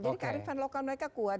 jadi kearifan lokal mereka kuat